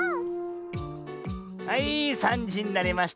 はい３じになりました。